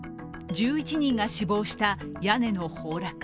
１１人が死亡した屋根の崩落。